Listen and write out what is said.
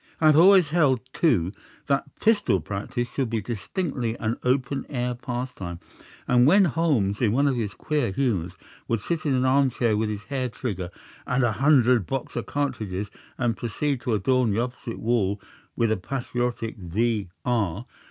I have always held, too, that pistol practice should be distinctly an open air pastime; and when Holmes, in one of his queer humours, would sit in an armchair with his hair trigger and a hundred Boxer cartridges, and proceed to adorn the opposite wall with a patriotic V.